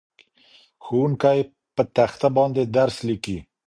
ښوونکی په تخته باندې درس لیکي.